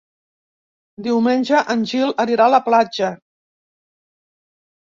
Diumenge en Gil anirà a la platja.